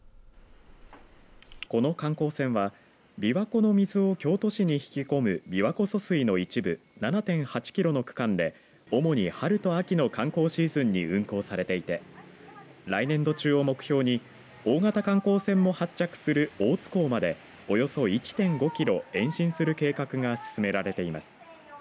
この観光船はびわ湖の水を京都市に引き込む琵琶湖疎水の一部７．８キロの区間で主に春と秋の観光シーズンに運航されていて来年度中を目標に大型観光船も発着する大津こう門でおよそ１．５キロ延伸する計画が進められています。